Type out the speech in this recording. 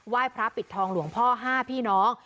ยพระปิดทองหลวงพ่อ๕พี่น้อง